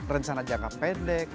rencana jangka pendek